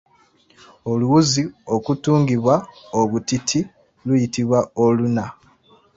Oluwuzi okutungibwa obutiiti luyitibwa Oluna.